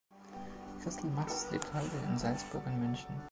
Christel Mattes lebt heute in Salzburg und München.